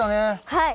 はい。